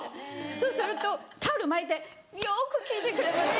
そうするとタオル巻いて「よく聞いてくれました」。